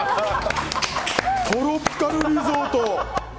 トロピカルリゾート！